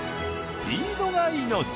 スピードが命。